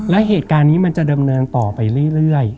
และเหตุการณ์นี้มันจะดำเนินต่อไปเรื่อย